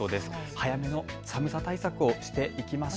早めの寒さ対策をしていきましょう。